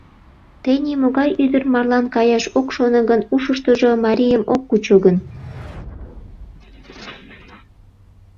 Тений могай ӱдыр марлан каяш ок шоно гын, ушыштыжо марийым ок кучо гын?